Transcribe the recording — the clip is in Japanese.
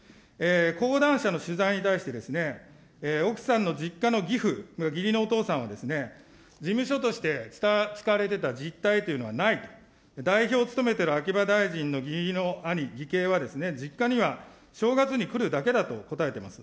講談社の取材に対してですね、奥さんの実家の義父、義理のお父さんはですね、事務所として使われていた実体というのはないと、代表を務めている秋葉大臣の義理の兄、義兄はですね、実家には正月に来るだけだと答えてます。